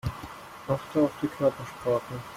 Achte auf die Körpersprache.